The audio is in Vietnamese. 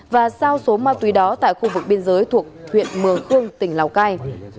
và giao số ma túy đó tại khu vực biên giới thuộc huyện mường khương tỉnh lào cai